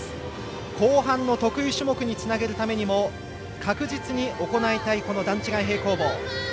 後半の得意種目につなげるためにも確実に行いたい段違い平行棒。